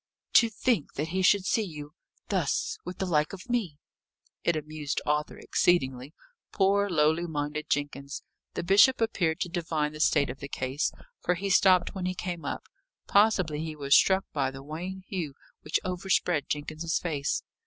"To think that he should see you thus with the like of me!" It amused Arthur exceedingly. Poor, lowly minded Jenkins! The bishop appeared to divine the state of the case, for he stopped when he came up. Possibly he was struck by the wan hue which overspread Jenkins's face.